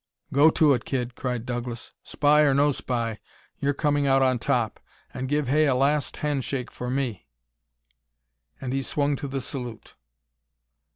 "Go to it, kid!" cried Douglas. "Spy or no spy, you're coming out on top! And give Hay a last handshake for me!" And he swung to the salute.